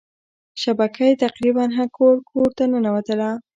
شبکه یې تقريبا هر کورته ننوتله.